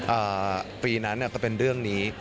อ่าปีนั้นก็เป็นเรื่องนี้